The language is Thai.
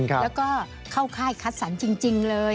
แล้วก็เข้าค่ายคัดสรรจริงเลย